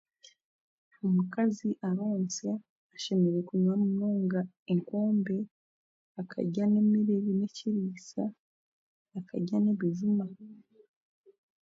omukazi aronsa ashemereire kunywa munonga enkombe akarya n'emere eine ekiriisa akarya n'ebijuma